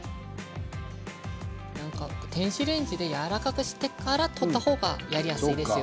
なんか電子レンジでやわらかくしてから取った方がやりやすいですよ。